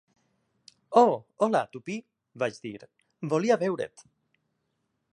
"Oh, hola, Tuppy," vaig dir, "volia veure't."